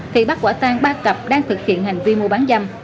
thì bắt quả tan ba cặp đang thực hiện hành vi mua bán dâm